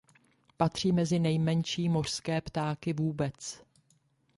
Patří mezi nejmenší mořské ptáky vůbec.